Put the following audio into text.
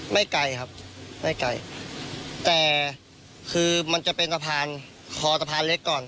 ไม่ไกลครับไม่ไกลแต่คือมันจะเป็นสะพานคอสะพานเล็กก่อน